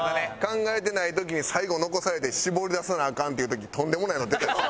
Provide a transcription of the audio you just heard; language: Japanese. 考えてない時に最後残されて絞り出さなアカンっていう時とんでもないの出てきそう。